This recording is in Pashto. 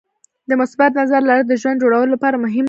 د مثبت نظر لرل د ژوند جوړولو لپاره مهم دي.